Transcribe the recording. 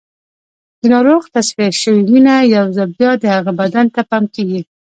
د ناروغ تصفیه شوې وینه یو ځل بیا د هغه بدن ته پمپ کېږي.